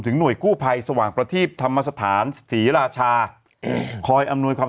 หน่วยกู้ภัยสว่างประทีปธรรมสถานศรีราชาคอยอำนวยความ